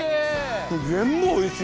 全部おいしい！